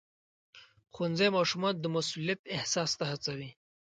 ښوونځی ماشومان د مسؤلیت احساس ته هڅوي.